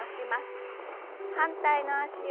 反対の脚を。